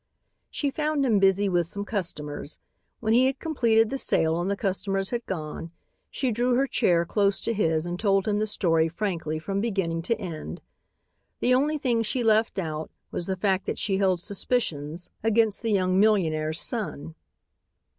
She found him busy with some customers. When he had completed the sale and the customers had gone, she drew her chair close to his and told him the story frankly from beginning to end. The only thing she left out was the fact that she held suspicions against the young millionaire's son.